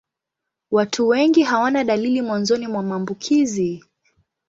Watu wengi hawana dalili mwanzoni mwa maambukizi.